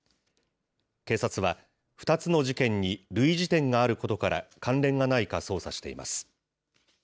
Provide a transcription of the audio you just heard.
警察は、２つの事件に類似点があることから、関連がないか捜査しています。